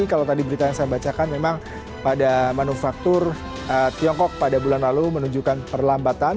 kalau tadi berita yang saya bacakan memang pada manufaktur tiongkok pada bulan lalu menunjukkan perlambatan